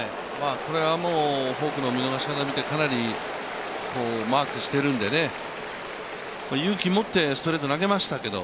これはもうフォークの見逃し方を見て、かなりマークしているんで、勇気を持ってストレートを投げましたけど